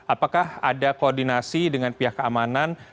apakah ada koordinasi dengan pihak keamanan